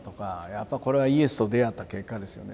やっぱこれはイエスと出会った結果ですよね。